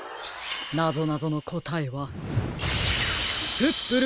なぞなぞのこたえはプップル